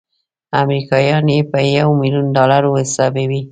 امریکایان یې په یو میلیون ډالرو حسابوي.